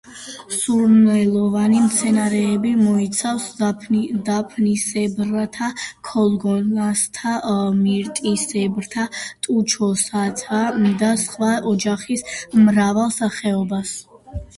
სურნელოვანი მცენარეები მოიცავს დაფნისებრთა, ქოლგოსანთა, მირტისებრთა, ტუჩოსანთა და სხვა ოჯახის მრავალ სახეობას.